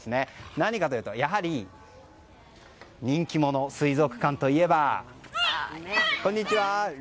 何かというとやはり、人気者水族館といえば、こちら。